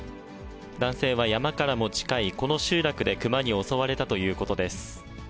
男性は山からも近い、この集落でクマに襲われたということです。